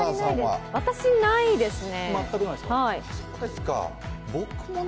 私、ないですね。